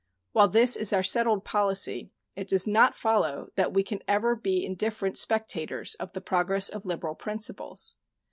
While this is our settled policy, it does not follow that we can ever be indifferent spectators of the progress of liberal principles.